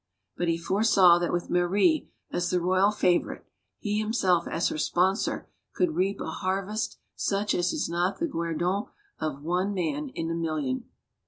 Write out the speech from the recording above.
But he foresaw that with Marie as the royal favorite, he himself, as her sponsor, could reap a har v ;st such as is not the guerdon of one man in a million.